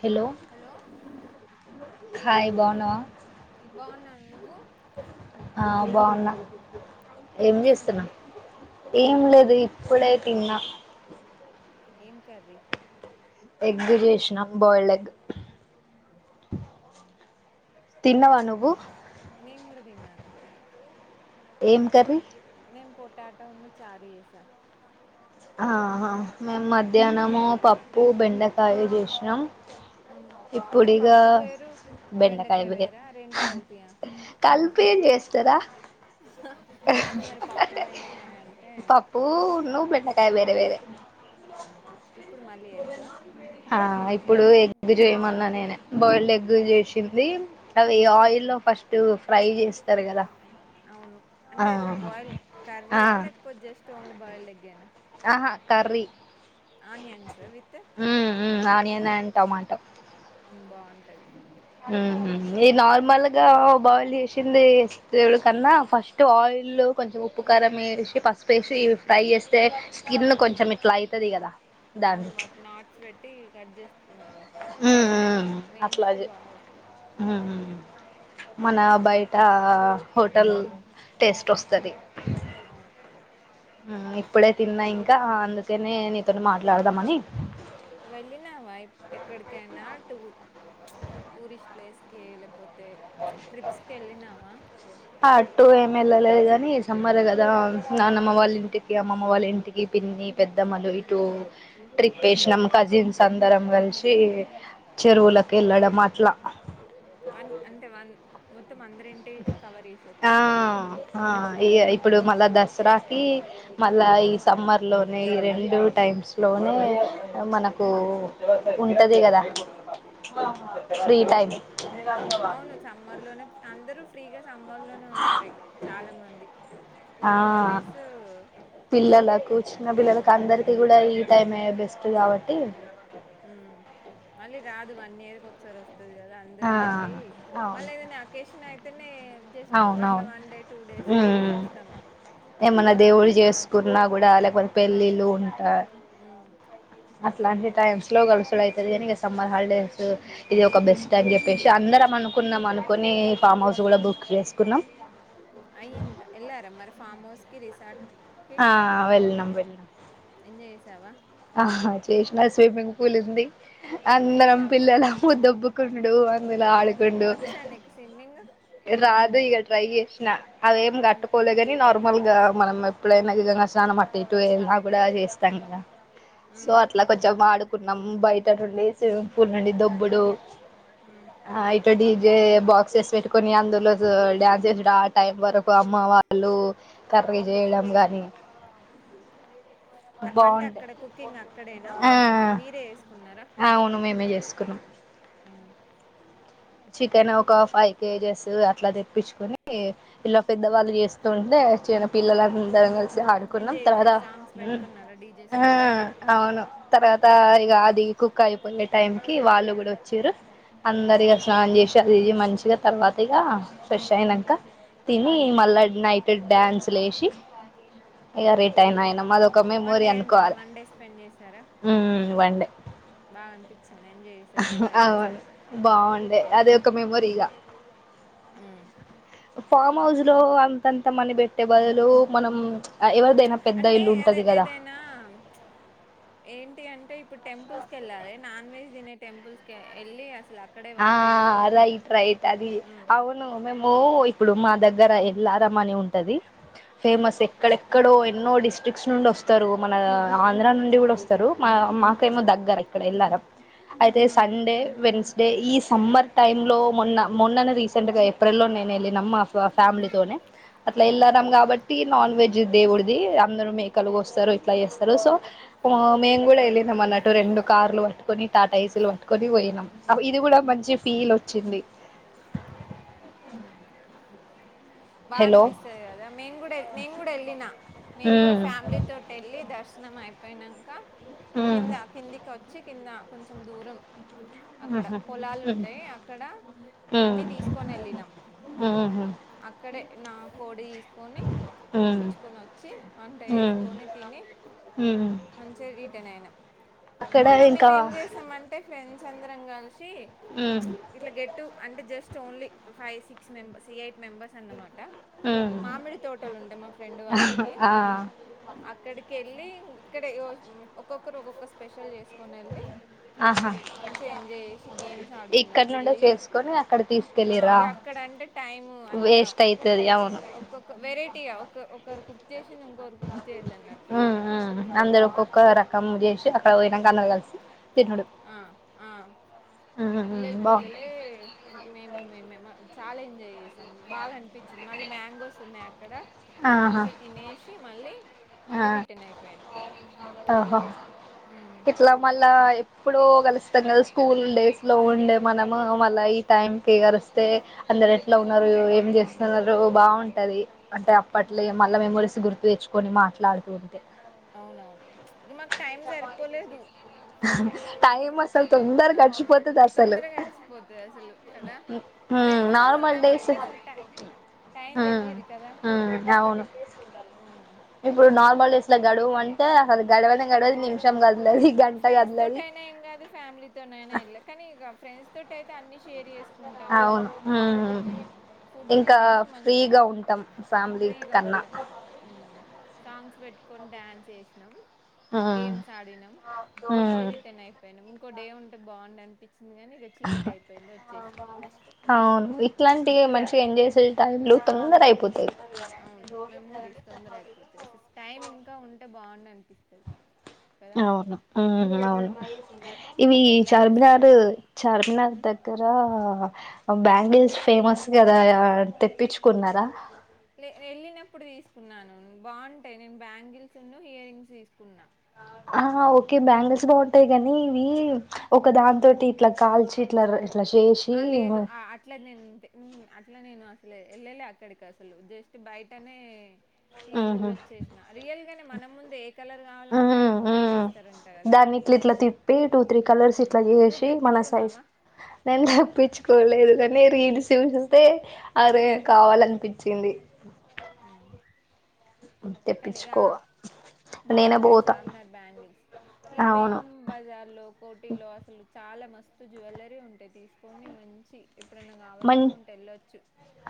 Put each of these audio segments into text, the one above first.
Hello hello hi బాగున్నావా బాగున్నాను నువ్వు ఆ బాగున్నా ఎం ఏం జేస్తున్నావ్ చేస్తున్నావ్ ఏం లేదు ఇప్పుడే తిన్నా ఏం కర్రీ ఎగ్ చేషిన బయిల్డ్ ఎగ్ అ తిన్నవా నువ్వు నేను కూడా తిన్నాను ఏం కర్రీ నేన్ పోటాటొ ఉన్ను చారు ఎసా ఆహా మేమ్ మధ్యాహనము పప్పు బెండకాయ చేసినాం అ అంటే ఇప్పుడిగా పప్పు వేరు బెండకాయ వేరా రెండు కలిపియా కలిపి ఏ చేస్తారా కాదు మరి పప్పు బెండకాయ అంటే పప్పు ను బెండకాయ వేరే వేరే ఆహా. ఇప్పుడు మళ్ళీ ఎగ్గా ఆ ఇప్పుడు ఎగ్ చేయ్మన్నా నేనే బాయిల్డ్ ఎగ్ చేసింది అవి ఆయిల్ ఫస్ట్ ఫ్రై చేస్తారు కదా అవును అంటే ఆ బాయిల్డ్ ఆ కర్రీయా లేకపోతే జస్ట్ ఓన్లీ బాయిల్డ్ ఎగ్గేనా ఆహ curry onions with and tomato బాగుంటది ఉహ్మ్ ఈ నార్మల్గా బాయిల్ చేసింది దేనుడు కన్నా ఫస్ట్ ఆయిల్లో కొంచెం ఉప్పు ఉమ్, కారం ఎసి పసుపు ఎసి ఉమ్, ఫ్రై చేస్తే స్కిన్ ఉమ్. కొంచెం ఇట్లా అయితది కదా దాన్ని అవును వాటిక్ నాట్స్ పెట్టి కట్ చేస్తున్నాది వేయించితే బాగా వస్తది ఉమ్ ఉమ్ మన బయట హోటల్ ఉమ్ టేస్ట్ వస్ తది అవును ఉమ్ ఇప్పుడే తిన్నా ఇంకా అందుకేనే నీతోటీ మాట్లాడుదామని వెళ్ళినావా ఎక్కడికైనా టూ టూరిస్ట్ ప్లేస్కి లే క్పోతే ట్రిప్స్కిళ్ళినావా టూ ఏమేల్లలేదు గని సమ్మర్ గదా నాన్నమ్మ వాళ్లింటికి అమ్మ అమ్మ వాళ్ళ ఇంటికి పిన్ని పెద్దమ్మలు ఇటు ట్రిప్ ఎసినాం కజిన్స్ అందరం కల్సి ఉమ్ చెరువులక్ ఎళ్ళడం అట్లా వన్ అంటే వన్ మొత్తం అందరింటి కవర్ చేసి ఆ వచ్చేసినావా మ ఇగ ఇప్పుడు మళ్ళా దస్ స్రాకి మళ్ళా ఈ సమ్మర్లోనే ఈ రెండు టైమ్స్లోనే మనకు ఉమ్, ఉంటది గదా ఏంటిది అవును సమ్మర్ లోనే అందరూ ఫ్రీగా సమ్మర్లోనే ఉంటారె చాలా మంది ఆ స్కూల్ హాలిడేస్ పిల్లలకు చిన్న ఉమ్ పిల్లలకు అందరికి కూడా ఈ టైమే బెస్ అవును ఉమ్ మళ్ళీ రాదు వన్ ఇయర్కి ఒకసారి వస్ తది కదా అందరి ఆ ఇంటికి మళ్ళ అవును ఏదన్నా అకేషన్ అయితనే జస్ట్ అట్లా అవునవును వన్ డే టూ డేస్ ఉమ్ వెళ్లేసస్తాం ఏమన్నా దేవుడిక్ చేసుకున్నా కూడా లేకపోతే ఆ పెళ్ళిళ్ళు ఉంటా ఉమ్ అ ట్లాంటి టైమ్స్లో గలుసుడు అయితది గనీ ఇగ సమ్మర్ హాల్డేస్ ఇది ఒక బెస్ట్ అని చెప్పేశి అందరం అనుకు కున్నాం అనుకొని ఫామ్ హౌస్ కూడా బుక్ చేసుకున్నాం అయింద్ ఎళ్లారా మరి ఫామ్ హౌస్ కి రిసార్ట్ ఆ వెళ్ళం వెళ్ళం ఎంజాయ్ చేసావా ఆ చేసిన స్విమ్మింగ్ పూల్ ఉంది అందరం చేసావా పిల్లలము దొబ్బు కండుడు అందుల ఆడుకుండు వచ్చా నీకు స్విమ్మింగ్ రాధు ఈగ ట్రై చేశిన అదెం ఉమ్ కట్టుకోలే గని నార్ నార్మల్ గా మనం ఎప్పుడైనా గంగా స్నానం అట్టటి ఇటున్నా కూడా చేస్తాం కదా సో ఉమ్ అట్లా కొంచెం ఆడుకున్నాము బయట నుండి స్విమ్మింగ్ పూల్ నుండి దొబ్బుడు ఉమ్ ఆయి డజే బాక్సెస్ పెట్టుకొని అందులో డ్యాన్స్ చేసాడు ఆ టైం వరకు అమ్మ వాళ్ళు కర్రీ చేయడం గాని వంట బాగుండే అక్కడ కుకింగ్ అక్కడేనా మా ఆ మీరే వేసుకున్నారా అవును మేమే చేసుకున్నాం ఆ చికెన్ ఒక ఫైవ్ కేజెస్ అట్లా తెప్పించుకుని ఇట్లా ఉమ్ పెద్దవాళ్ళు చేస్తుంటే చిన్నపిల్లలు అందరు కలిసి ఆడుకున్నాం ఎంజాయ్ తర్వాతా చేసేది సాంగ్స్ పెట్టుకున్నారా డీజే ఆ సాంగ్స్ అవును తర్వాత ఈ అదిగి కుక్ అయిపోయే టైంకీ వాళ్ళు కూడా వచ్చారు ఉమ్ అందరి స్నానం చేసి అది ఇది మంచిగా తర్వాత ఇక ఫ్రెష్ అయినాక తిని ఉమ్ మళ్ళ నైట్ డ్యాన్స్ లేసి ఇక రిటైన్ అయినా మాదొక వన్ మెమోరీ డే ఉన్నారా అనుకోవాలి వన్ డే స్పెండ్ చేసారా వన్ బాగా అనిపించింది ఎంజసారు కజిన్స్ అంతా అంటే అదొ ఒక మెమ్మొరీగా ఆ ఫామ్ హౌస్ లో అంతంత మని పెట్టే బదులు మనం ఎవరిదైనా పెద్ద అంటే ఇల్లు ఏద ఉంటది కదా ఏదైనా ఏంటి అంటే అ ఇప్పుడు టెంపుల్స్ క వెళ్లాలి నాన్ వెజ్ తినే టెంపుల్స్ కి ఎల్లి అసలు అ ఆ రైట్ రైట్ అది ఉమ్ అవును ఓ ఇప్పుడు మా దగ్గర ఎల్లరమని ఉంటది ఉమ్ ఫేమస్ ఎక్కడెక్కడో ఎన్నో డిస్ట్రిక్ట్స్ నుండి వస్తారు మన ఆంధ్రా నుండి కూడా వస్తారు మా ఉమ్ మాకేమో దగ్గర అ ఎ అయితే ఉమ్ సండే వెడ్నెస్డే అదే ఈ సమ్మర్ టైమ్ లో మొన్న మొన్ననే రీసెంట్ గా ఏప్రిల్ లో నేను వెళినమా ఫ్యామిలీతోనే అట్లా ఎ కాబట్టి నాన్ వెజ్ దేవుడిది అందరు మేకలు కోస్తారు ఇట్లా చేస్తారు సో మేం కూడా వెళ్ళినాం అన్నటు రెండు కార్లుట్టుకొని టాటా ఏసీలు పటుకొని పోయినాం ఇది కూడా మంచి ఫీల్ వచ్చింది బా హలో అనిపిస్తుది కదా మేను కూడా మేను కూడా వెళ్ళిన మేము కూడా ఉమ్ ఫ్యామిలీ తోటి వెళ్ళి దర్శం అయిపోయినాక ఉమ్ కింద కిందికి వచ్చి కింద కొంచెం దూరం అక్కడ ఉహు పొలాలు ఉమ్ ఉంటాయి అక్కడ అన్ని తీసుకొని వెళ్ళినాం ఉహ్మ్ అక్కడే నా కోడి సుకొని ఉమ్ కోపించుకొని వచ్చి వంట ఉమ్ వేసుకొని తిని ఉమ్ మంచి రిటర్న్ అయినాం అక్కడ మొన్న ఇంకా మేము ఏం చేసామంటే ఫ్రెండ్స్ అందరం కలిసి ఉమ్ ఇ గెట్ అంటే జస్ట్ ఓన్లీ ఫై సిక్స్ మెం ఎయిట్ అన్నమాట ఉమ్ మామిడి తోటలు ఉంటే మా ఫ్రెండ్ వాళ్ళకి ఆ అక్కడికి క వెళ్ళి ఇక్కడ ఒక్కొక్కరు ఒక్కొక్కరు స్పెషల్ చేసుకొని వెళ్ళి ఆహా మంచిగా ఎంజాయ్ చేసి గేమ్స్ ఆడుకున్నాం ఇక్కడ నుండే పిల్లలు చేసుకొని అక్కడ తీసుకెళ్ళిరా అక్కడ అంటే టైం వేస్ట్ అయితది అవును ఏటి ఒక ఒకరు కుక్ చేసింది ఇంకోకరు కుక్ చేయొద్దు అన్నట్టు ఆ ఆ అందరు ఒక్కొక్క రకం చేసి అక్కడ పోయినాక అందరు కలిసి తినుడు ఆ ఆ ఉమ్ ఉమ్ పిల్లల బాగుంటది పిల్లలే మేము మేమే మా చాలా ఎంజాయ్ చేసాము బాగా అనిపించింది. మళ్ళీ మ్యాంగోస్ ఉన్నాయి అక్కడ ఆహా మంచిగా తినేసి మళ్ళీ మళ్ళీ రిటర్న్ అయిపోయాను. ఆహా ఇట్లా మళ్ల ఇప్పుడు కలుస్తాం కదా స్కూల్ డేస్ లో ఉండే మనము మళ్ళ ఈ టైంకి కలిస్తే అందరు ఎట్లా ఉన్నారు ఏం చేస్తున్నారు బావుంటది. అంటే అప్పట్లో అవును మళ్ళా మెమోరీస్ గుర్తు తెచ్చుకొని మాట్లాడుతూ ఉంటే అవునవును ఇక మాకు టైం సరిపోలేదు టైం అసలు తిందరగా గడించి పోతది. తొందరగా గడిచిపోతది అసలు కదా ఉమ్ ఫ్రెండ్స్ తో నార్మల్ ఉన్నామ డేస్ అంటే అసలు టంక్ టైం ఉమ్ తెలియదు కదా ఉమ్ అవును మ్ ఇప్పుడు నార్మల్ డేస్ లో గడువు అంటే అ అసలు గడవది ఫ్రెండ్స్ తోట కదలది అయినా ఏం కాదు ఫ్యామిలీ తోనాయనా వెళ్ళ కానీ ఫ్రెండ్స్ తోటి అయితే అన్ని షర్ చేస్ అవును మ్ ఫుడ్ ఇంకా తినేసి మంచిగా ఫ్రీగా ఉంటాం ఫ్యామిలీ ఫ్రీగా కన్నా ఉంటాం అ ఆ ఉమ్, సాంగ్స్ పెట్టుకొని డ్యాన్స్ చేసినాం గేమ్స్ ఆడినాం మళ్ళీ ఉమ్ రిటర్న్ అయిపోయినాం. ఇంకో డే ఉంటే బావుం అనిపించి ఆహా అవును ఇట్లాంటి అప్పుడ మనిషిగా ఏం చేసే టై లో తొందరై అవును మెమోరీస్ తొందర అయిపోతది అసలు టైమ్ ఇంకా ఉంటే బావుంది అనిపిస్తుది. అవును ఉ అవును ఇవి వెళ్ళాలి అసలు చార్మినార్ చార్మినార్ ద గ్గర బ్యాంగిల్స్ ఫేమస్ కదా అ తెప్పించుకున్నారా? లే వెళ్ళినప్పుడు తీసుకున్నాను బావుంటాయి. నేను బ్యాంగిల్స్ ను ఇయర్ రింగ్స్ తీసుకున్నా ఆహ ఓకే బ్యాంగల్స్ బాగుంటాయి గాని ఇవి ఒక దానితోటి ఇట్లా కాల్చి ఇట్లా ఇట్లా చేసి ఆ లేదు ఉహు అ అట్లా నేను ఉంటే అట్లా నేను అలే వెళ్ళలే అక్కడికి అసలు జస్ట్ బయటనే తీసుకొని వచ్చేసిన రియల్ గానే మనం ముందు ఏ కలర్ కావాలంటే ఉమ్ అది ఉమ్ చేసిస్తారంట కదా దాన్ని ఇట్లా ఇట్లా తిప్పి టూ త్రీ కలర్స్ ఉమ్ ఇట్లా నువ్వు చేసి మన సైజ్ తెప్పించుకున్నావా నే తప్పించ కోలేదు కాని రీల్స్ చూసింతే అదే ఉమ్ కావాలనిపించింది. ఆ కానీ తెప్పించుకోవ నేనే బాగుంటాయి పోతా చామ్నార్ బ్యాంగిల్స్ ఈ అవును బేగం బజార్ లో, కోటీలో అసలు చాలా మస్తు వ జ్యువెలరీ ఉంటాయి తీసుకొని మంచి ఎప్పుడన్నా మన్ కావాలనుకుంటే వెళ్ళొచ్చు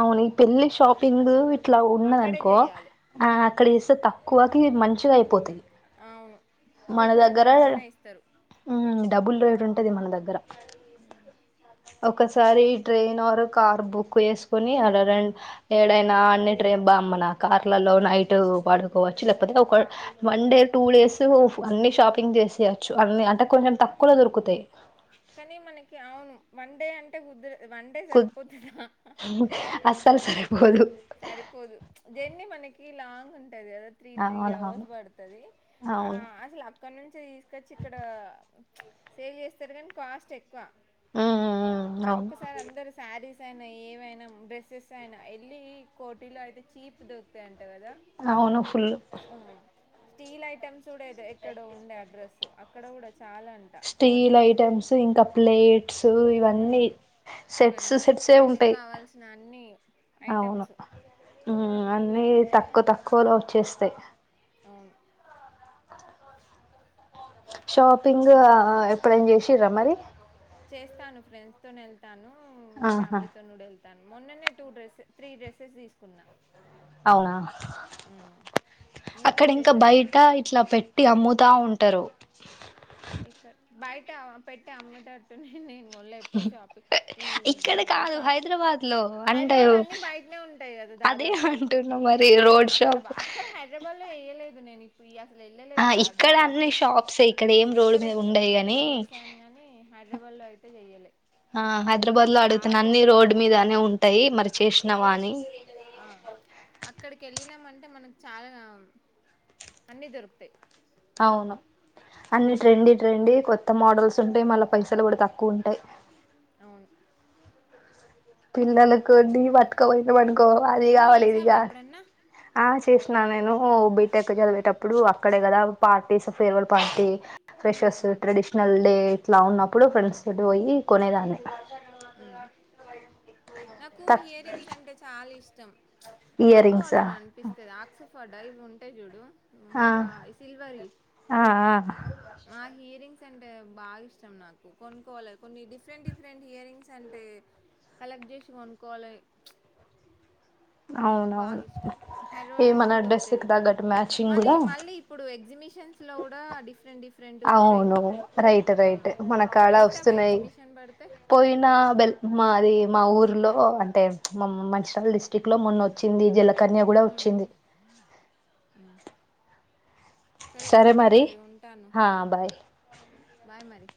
అవును ఇ పెళ్ళి షాపింగ్ ఇట్లా ఉన్నద అక్కడే అనుకో చేయాలి ఆ ఉమ్ అక్కడ ఇస్తే తక్కువకి మంచిగా అయిపోతుది. అవును హోల్సేల్ కావాలన్నా ఇస్తారు మ్మ్ డబుల్ రేట్ ఉంటది మన దగ్గర ఒకసారి ట్రైన్ ఆర్ కార్ బుక్ చేసుకుని అలా రెం ఏడైనా అన్ని ట్రైన్ బామ్మనా కార్ల లో నైట్ వాడుకోవచ్చు ఉమ్ లేకపోతే ఒక వన్ డే టూ డేస్ అన్ని షాపింగ్ చేసేయచ్చు అన్ని అంటే కొంచెం తక్కువలో దొరుకుతాయి. కానీ మనకి అవును వన్ డే అంటే ముద్రు కు అసలు సరిపోదు జన్ని మనకి లాంగ్ ఉంటది కదా త్రీ త్రీ అవర్స్ అవునవును పడుతది ఆ అవును అసలు అక్కడ నుంచి తీసుకొచ్చి ఇక్కడ సేవ్ చేస్తారు కానీ కాస్ట్ ఎక్కువ మ్మ్ అవును ఒక్కసారి అందరు శారీస్ అయినా ఏమైనా డ్రెస్సెస్ అయినా వెళ్లి కోటిలో అయితే చీప్ దొరుకుతాయింట అవును ఫుల్ స్టీల్ ఐటమ్స్ కూడాదో ఎక్కడో ఉండే అడ్రస్ అక్కడ కూడా చాలా అంట అవన్నీ స్టీల్ చూస్తే ఐటమ్స్ ఇంకా ప్లేట్స్ ఇవన్నీ ఉమ్ సెట్స్ ఇవన్నీ సెట్స్ పెళ్ళికి ఉంటాయి కావాల్సిన అన్ని అవును ఐటమ్స్ ఉమ్ అన్ని తక్కువ తక్కువలో వచ్చేస్తాయి అవును షాపింగ్ ఆ ఎప్పుడైం చేసిరా మరి చేస్తాను ఫ్రెండ్స్ తో వెళ్తాను ఆహా ఫ్యామిలీతోను వెళ్తా మొన్ననే టూ డ్రెస్సెస్ త్రీ డ్రస్సెస్ తీసుకున్నా అవునా ఆ అక్కడింకా బయట ఇట్లా పెట్టి అమ్ముతా ఉంటారు ఇక్కడ బయట పెట్టటి అమ్మేటట్టున్నా నేను ఎప్పుడు షాపి ఈ ఇక్కడ కాదు షా హైదరాబాద్ లో అంటే హైదరాబాద్ అన్ని బయటనే ఉంటాయి కదా అదే దాదాపు అంటున్న మరి రోజు అక్కడ అక్కడ హైదరాబాద్ లో వయలేదు నేను ఇప్పుడు అసలు ఆ వెళ్ళలేదు ద ఇక్కడ దాదాపు అన్ని షాప్సే ఏం రోడ్ ఇక్కడ మీద ఉండయి ఇక్కడ గాని చేసాను కాగాని హైదరాబాద్ అయితే చెయ్యలే ఆ హైదరాబాద్ లో అడుగుతున్నా చాలా అన్ని రోడ్డు మీదనే ఉంటాయి మరి చేసినావా ఆ అని ఆ అక్కడికి వెళ్ళినామంటే టే మనకు చాలా అన్ని దొరుకుతాయి అవును అన్ని ఉమ్ ట్రెండీ ట్రెండీ కొత్త మోడల్స్ ఉంటాయి మళ్ళా పైసలు కూడా తక్కువ ఉంటాయి అవును పిల్లలకు నీ పతుకపోయినాం అనుకో అది నువ్వు కావాలి ఇది చేసావా కావాలి ఎప్పుడన్నా ఆ చేస నా నేను బీటెక్ చదివేటప్పుడు అక్కడే కదా పార్టీస్ ఫేర్వెల్ పార్టీ ఫ్రెషస్ ఉమ్ ట్రెడిషనల్ డే ఇట్లా ఉన్నప్పుడు ఫ్రెండ్స్ చ ఉమ్ పోయి కొనేదనీ ఉమ్ నాకు హియర్ రంగ్స్ అంటే చాలా ఇష్టం ఇయర్ రింగ్స్ కొనుకోవాలని అనిపిస్తుది ఆ ఫ డ్రైవి ఉంటే చూడు ఆ మా ఆ ఆ మాహీర్ ఇయరింగ్స్ అంటే బాగా ఇష్టం నాకు కొనుక్కోవాలి కొన్ని డిఫరెంట్ డిఫరెంట్ ఇయరింగ్స్ అంటే కలెక్ట్ చేసి కొనుకోవాల బాగా అవునవును ఇష్టం ఈ హెరోలు మన అయితేనే దొకుతాయి డ్రెస్సుకి కదా తగ్గట్టు మ్యాచింగ్ మనీ కూడా మళ్ళీ ఇప్పుడు ఎగ్జిబిషన్ న్స్ లో కూడా డిఫెంట్ డిఫెన్ అవును రైట్ రైట్ మన కాడ వెళ్తావా వస్తున్నాయి ఎగ్జిబిషన్ పడితే పోయినా బెల్ మా అది మా ఊర్లో అంటే మా మంచిరాల డిస్టి్రిక్ లో మొన్న వచ్చింది జల కన్య కూడా మ్మ్ వచ్చింది సరే ఓకే మరి ఉంటాను హా బాయ్ బాయ్ మరి